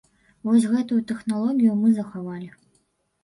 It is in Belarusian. Вось гэтую тэхналогію мы захавалі.